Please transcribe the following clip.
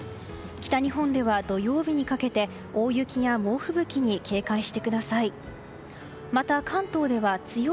北日本では土曜日にかけて大雪や猛吹雪に警戒してください。